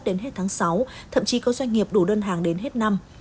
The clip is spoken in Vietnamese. đến hết tháng sáu thậm chí có doanh nghiệp đủ đơn hàng đến hết năm